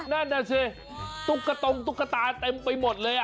นั่นน่ะสิตุ๊กตรงตุ๊กตาเต็มไปหมดเลย